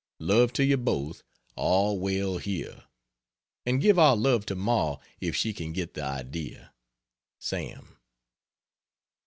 Love to you both. All well here. And give our love to Ma if she can get the idea. SAM.